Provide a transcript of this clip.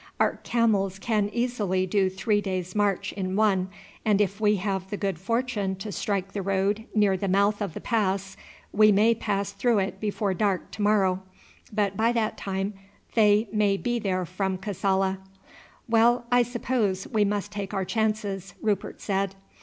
Our camels can easily do three days' march in one, and if we have the good fortune to strike the road near the mouth of the pass we may pass through it before dark to morrow; but by that time they may be there from Kassala." "Well, I suppose we must take our chances," Rupert said.